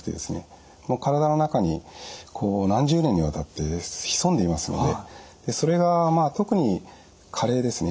体の中に何十年にわたって潜んでいますのでそれが特に加齢ですね